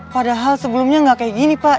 padahal sebelumnya nggak kayak gini pak